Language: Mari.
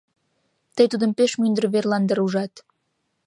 Тый тудым пеш мӱндыр верлан дыр ужат.